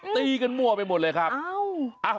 ตีกันมั่วไปหมดเลยครับ